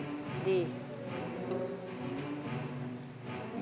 ไม่ใช่เปลี่ยนเพลง